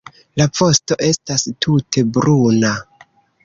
La vosto estas tute bruna.